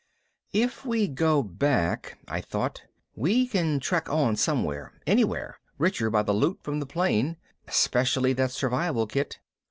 If we go back, I thought, _we can trek on somewhere anywhere richer by the loot from the plane, especially that Survival Kit.